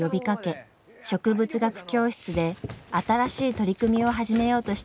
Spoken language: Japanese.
植物学教室で新しい取り組みを始めようとしていました。